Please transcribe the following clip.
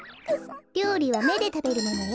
りょうりはめでたべるものよ。